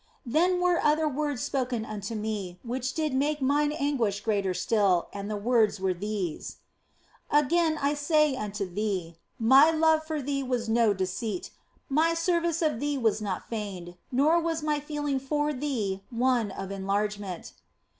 Then were other words spoken unto me, which did make mine anguish greater still ; and the words were these :" Again I say unto thee, My love for thee was no deceit, My service of thee was not feigned, nor was My feeling for thee one of enlargement."